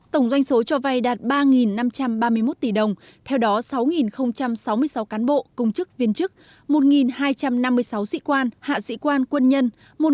tổng doanh số cho vay đạt ba năm trăm ba mươi một tỷ đồng theo đó sáu sáu mươi sáu cán bộ công chức viên chức một hai trăm năm mươi sáu sĩ quan hạ sĩ quan quân nhân